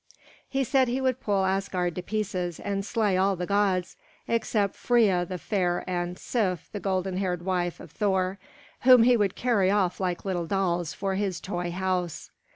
He said he would pull Asgard to pieces and slay all the gods except Freia the fair and Sif, the golden haired wife of Thor, whom he would carry off like little dolls for his toy house.